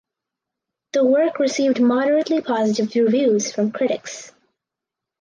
The work received moderately positive reviews from critics.